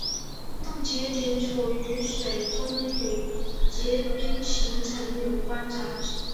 冻结点取决于水中与冰晶形成有关的杂质。